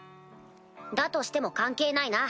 だとしても関係ないな。